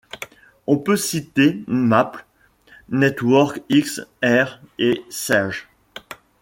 On peut citer Maple, NetworkX, R et sage.